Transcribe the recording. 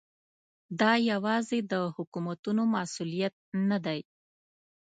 دا یوازې د حکومتونو مسؤلیت نه دی.